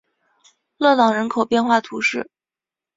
勒朗人口变化图示